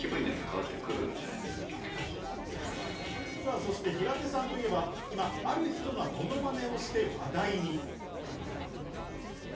そして平手さんといえば今、ある人がモノマネをして話題に。